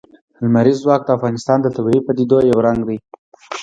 لمریز ځواک د افغانستان د طبیعي پدیدو یو رنګ دی.